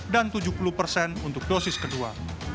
dan tujuh puluh persen untuk dosis kedua